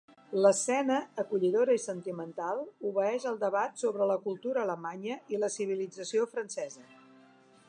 L'escena, acollidora i sentimental, obeeix al debat sobre la cultura alemanya i la civilització francesa.